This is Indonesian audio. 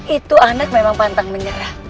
itu anak memang pantang menyerah